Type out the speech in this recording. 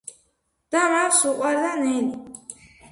და მას უყვარდა ნელი